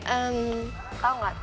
eh tau gak